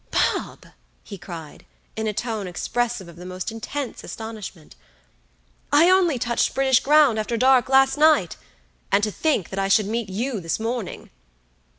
"Bob!" he cried, in a tone expressive of the most intense astonishment; "I only touched British ground after dark last night, and to think that I should meet you this morning."